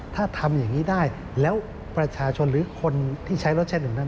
ถ้าทำอย่างนี้ได้แล้วประชาชนหรือคนที่ใช้รถใช้หนึ่งนั้น